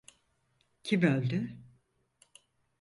Kim öldü?